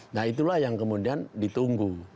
nah itulah yang kemudian ditunggu